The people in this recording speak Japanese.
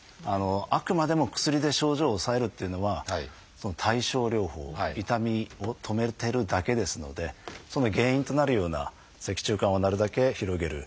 あくまでも薬で症状を抑えるっていうのは対症療法痛みを止めてるだけですのでその原因となるような脊柱管をなるだけ広げる。